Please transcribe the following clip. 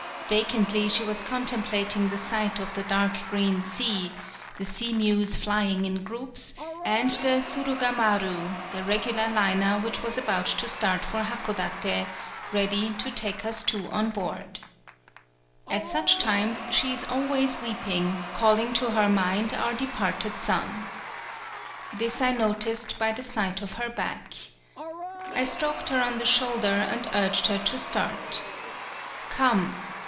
Vacantly she was contemplating the sight of the dark green sea, the sea mews flying in groups, and the Suru gamaru, the regular liner, which was about to start for Hakodate, ready to take us two on board. At such times, 135 PAULOWNIA she is always weeping, calling to her mind our departed son. This I no ticed by the sight of her back. I stroked her on the shoulder and urged her to start. "Come.